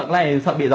chỉ sẽ bạn đi lộ